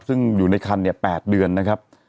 ซึ่งอยู่ในคันเนี่ย๘เดือนนะครับ